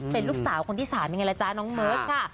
เป็นลูกสาวคนที่สานนี่ไงล่ะจ๊ะน้องเมฆค่ะ